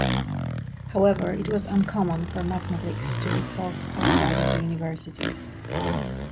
However, it was uncommon for mathematics to be taught outside of the universities.